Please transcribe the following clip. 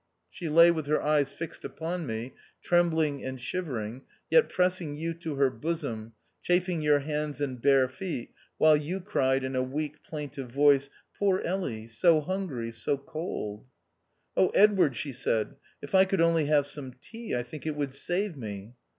She lay with her eyes fixed upon me, trembling and shivering, yet pressing you to her bosom, chafing your hands and bare feet, while you cried in a weak, plaintive voice, " Poor Elly ! so hungry, so cold !"" Oh, Edward," she said, " if I could only have some tea ; I think it would save me."